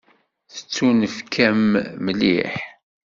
Tettunefk-am mliḥ.